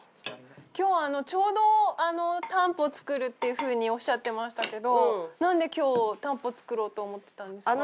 今日ちょうどたんぽ作るっていうふうにおっしゃってましたけどなんで今日たんぽ作ろうと思ってたんですか？